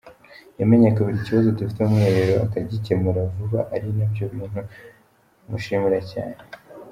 Yamenyaga buri kibazo dufite mu mwiherero akagikemura vuba ari nabyo bintu mushimira cyane.